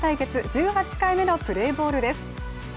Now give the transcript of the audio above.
１８回目のプレーボールです。